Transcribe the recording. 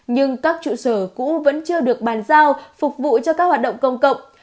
nhưng các trụ sở cũ vẫn chưa được bàn giao phục vụ cho các hoạt động công cộng